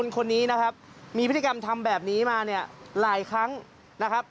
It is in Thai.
คนนี้นะครับมีพฤติกรรมทำแบบนี้มาเนี่ยหลายครั้งนะครับ